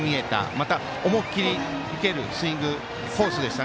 また、思いっきりいけるスイングコースでした。